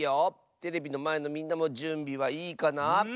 テレビのまえのみんなもじゅんびはいいかな？